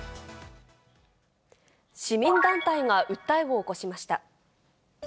市民団体が訴えを起こしました。